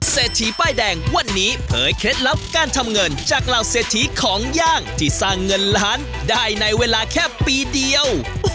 เศรษฐีป้ายแดงวันนี้เผยเคล็ดลับการทำเงินจากเหล่าเศรษฐีของย่างที่สร้างเงินล้านได้ในเวลาแค่ปีเดียว